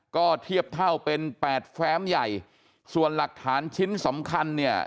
ก็เทียบเท่าเป็นแปดแฟ้มใหญ่ส่วนหลักฐานชิ้นสำคัญเนี่ย